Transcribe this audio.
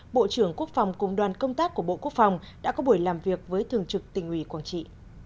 bộ trưởng quốc phòng cùng đoàn công tác của bộ quốc phòng đã có buổi làm việc với thường trực tỉnh ủy quảng trị